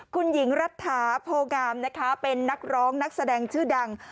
คุณหญิงรัฐาโพงามนะคะเป็นนักร้องนักแสดงชื่อดัง